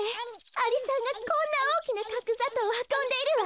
アリさんがこんなおおきなかくざとうをはこんでいるわ。